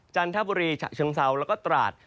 จันทบุรีฉะเชิงเซาแล้วก็ตราด